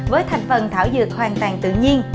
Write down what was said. với thành phần thảo dược hoàn toàn tự nhiên